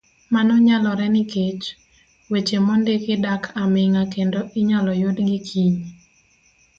Mano nyalore nikech, weche mondiki dak aming'a kendo inyalo yudgi kiny.